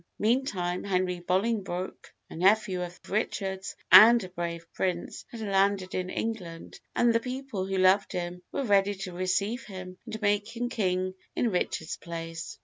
Meantime, Henry Bolingbroke, a nephew of Richard's, and a brave prince, had landed in England, and the people, who loved him, were ready to receive him and make him King in Richard's place.